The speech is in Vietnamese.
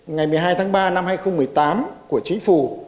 ngày một mươi hai tháng ba năm hai nghìn một mươi tám của chính phủ